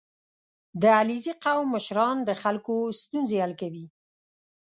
• د علیزي قوم مشران د خلکو ستونزې حل کوي.